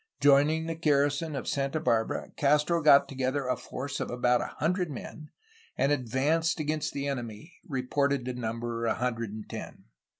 Joining the garrison of Santa Barbara, Castro got together a force of about a hundred men, and advanced against the enemy, reported to number a hundred and ten.